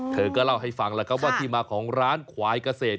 เธอก็เล่าให้ฟังแล้วครับว่าที่มาของร้านควายเกษตร